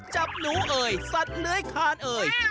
จับหนูเอ่ยสัตว์เลื้อยคานเอ่ย